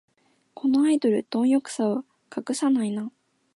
このアイドル、どん欲さを隠さないな